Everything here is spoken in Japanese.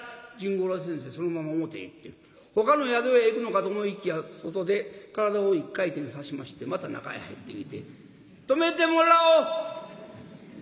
甚五郎先生そのまま表へ行ってほかの宿屋へ行くのかと思いきや外で体を１回転させましてまた中へ入ってきて「泊めてもらおう！」。